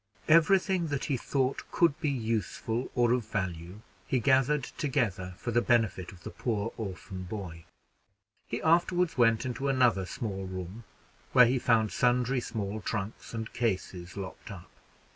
Every thing that he thought could be useful, or of value, he gathered together for the benefit of the poor orphan boy. He afterward went into another small room, where he found sundry small trunks and cases locked up.